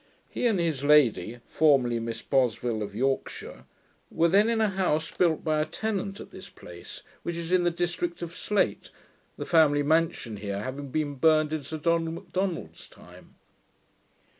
He and his lady (formerly Miss Bosville of Yorkshire) were then in a house built by a tenant at this place, which is in the district of Slate, the family mansion here having been burned in Sir Donald Macdonald's time.